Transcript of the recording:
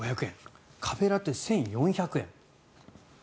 カフェラテ、１４００円。